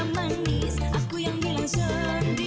aku ini memangnya seksi